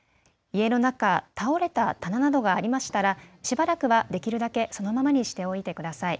家の中、倒れた棚などがありましたらしばらくはできるだけそのままにしておいてください。